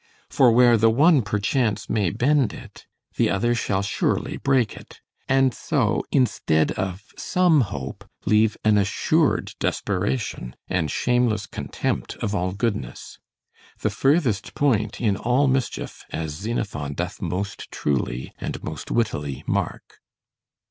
For where the one perchance may bend it, the other shall surely break it: and so, instead of some hope, leave an assured desperation, and shameless contempt of all goodness; the furthest point in all mischief, as Xenophon doth most truly and most wittily mark.